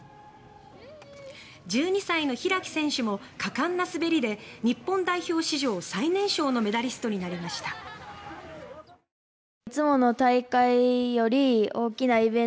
１２歳の開選手も果敢な滑りで日本代表史上最年少のメダリストになりました。